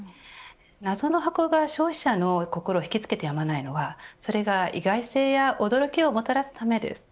謎の箱が消費者の心を引きつけてやまないのはそれが意外性や驚きをもたらすためです。